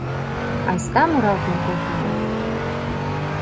Айста муралтен колтена!